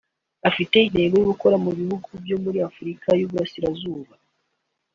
ifite intego yo gukorera mu bihugu byo muri Afurika y’Uburasirazuba